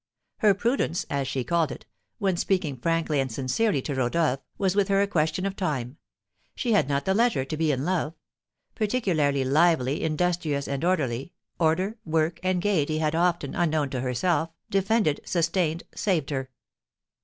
Her prudence, as she called it, when speaking frankly and sincerely to Rodolph, was with her a question of time, she had not the leisure to be in love. Particularly lively, industrious, and orderly, order, work, and gaiety had often, unknown to herself, defended, sustained, saved her.